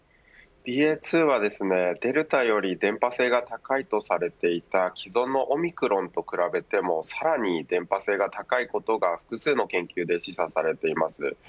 ＢＡ．２はデルタより伝播性が高いとされていた既存のオミクロンと比べてもさらに伝播性が高いことが複数の研究で示唆されています。